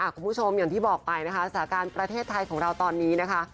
คุณผู้ชมอย่างที่บอกไปนะคะสาการประเทศไทยของเราตอนนี้นะคะ